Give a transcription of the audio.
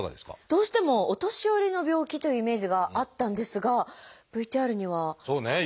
どうしてもお年寄りの病気というイメージがあったんですがＶＴＲにはそうね